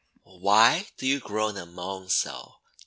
"Why do you groan and moan so?"